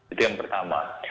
itu yang pertama